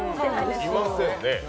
いませんね。